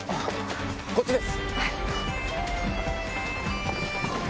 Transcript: こっちです。